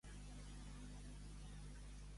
Estar molt d'ossos.